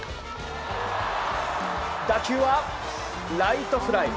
打球はライトフライ。